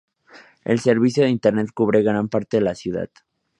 El servicio de internet cubre gran parte de la ciudad.